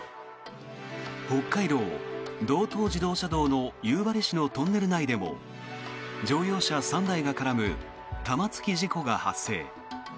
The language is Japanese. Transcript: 北海道道東自動車道の夕張市のトンネル内でも乗用車３台が絡む玉突き事故が発生。